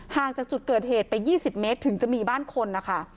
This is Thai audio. ห่างจากจุดเกิดเหตุไป๒๐เมตรถึงจะมีบ้านคนนะคะ